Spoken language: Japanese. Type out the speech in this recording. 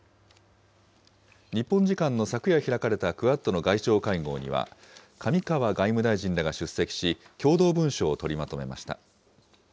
日本時間の昨夜開かれたクアッドの外相会合には、上川外務大臣らが出席し、共同文書を取りまとめました。